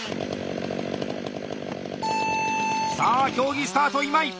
さあ競技スタート今井！